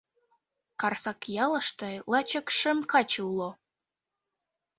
Карсак ялыште лачак шым каче уло.